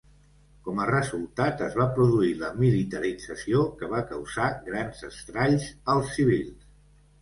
Com a resultat, es va produir la militarització, que va causar grans estralls als civils.